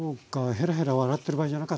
へらへら笑ってる場合じゃなかったな。